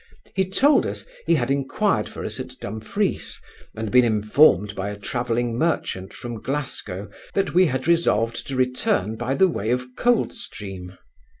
He told us, he had enquired for us at Dumfries, and been informed by a travelling merchant from Glasgow, that we had resolved to return by the way of Coldstream.